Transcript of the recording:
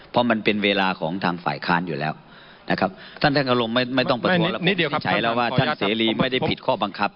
เพราะมันเป็นเวลาของทางฝ่ายค้านอยู่แล้วนะครับท่านท่านอารมณ์ไม่ต้องประท้วงแล้วผมวินิจฉัยแล้วว่าท่านเสรีไม่ได้ผิดข้อบังคับ